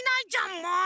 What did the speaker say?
もう！